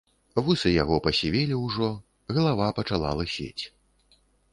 Вусы яго пасівелі ўжо, галава пачала лысець.